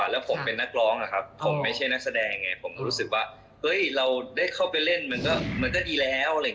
แล้วผมเป็นนักร้องนะครับผมไม่ใช่นักแสดงไงผมก็รู้สึกว่าเฮ้ยเราได้เข้าไปเล่นมันก็ดีแล้ว